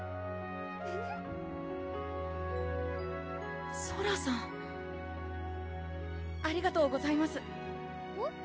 フフッソラさんありがとうございますえっ？